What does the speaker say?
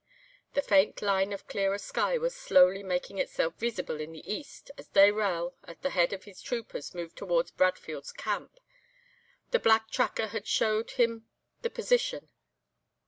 "The faint line of clearer sky was slowly making itself veesible in the east as Dayrell at the head of his troopers moved towards Bradfield's camp. The black tracker had showed him the position.